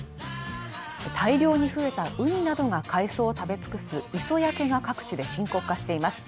大量に増えたウニなどが海藻を食べ尽くす磯焼けが各地で深刻化しています